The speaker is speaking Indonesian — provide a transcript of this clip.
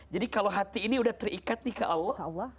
jadi kalau hati ini sudah terikat nih ke allah